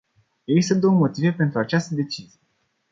Există două motive pentru această decizie.